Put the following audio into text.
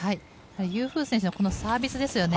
ユー・フー選手のサービスですよね。